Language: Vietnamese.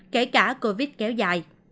kể cả covid kéo dài